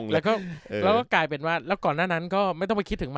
แล้วก็กลายเป็นว่าแล้วก่อนหน้านั้นก็ไม่ต้องไปคิดถึงมัน